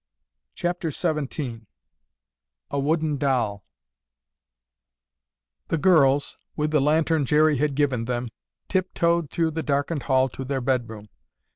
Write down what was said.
CHAPTER XVII A WOODEN DOLL The girls, with the lantern Jerry had given them, tip toed through the darkened hall to their bedroom.